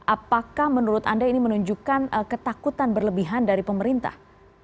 apakah menurut anda ini menunjukkan ketakutan berlebihan dari pemerintah